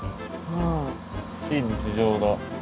非日常だ。